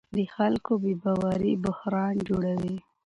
د خلکو بې باوري بحران جوړوي